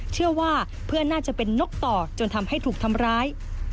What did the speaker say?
เชื่อว่าเพื่อนน่าจะเป็นนกต่อจนทำให้ถูกทำร้าย